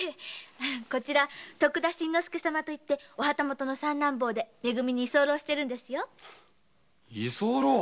こちら徳田新之助様というお旗本の三男坊でめ組に居候してるの。居候？